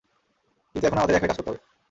কিন্তু এখন আমাদের এক হয়ে কাজ করতে হবে।